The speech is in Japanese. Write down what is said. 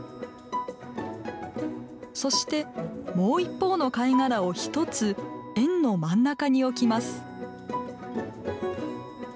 そしてもう一方の貝殻を一つ円の真ん中に置きます。